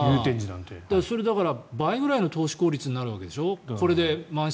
それ、倍くらいの投資効率になるわけでしょ。